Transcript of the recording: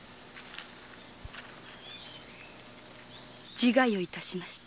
自害をしました。